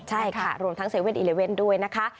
ใช่ค่ะรวมทั้ง๗๑๑ด้วยนะคะ